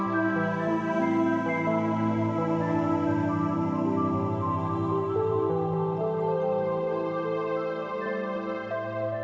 โปรดติดตามตอนต่อไป